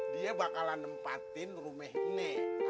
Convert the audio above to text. dia bakalan nempatin rumeh ini